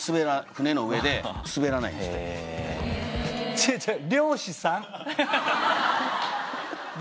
違う違う。